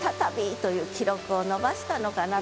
という記録を伸ばしたのかなと。